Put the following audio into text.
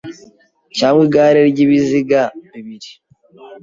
Cyangwa igare ryibiziga bibiri